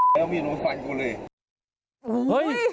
ไอ้แล้วมีโรงพยาบาลกูเลย